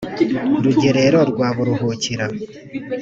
Rugerero rwa Buruhukira